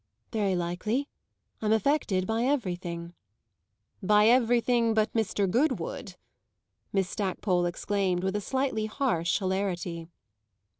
"Very likely. I'm affected by everything." "By everything but Mr. Goodwood!" Miss Stackpole exclaimed with a slightly harsh hilarity.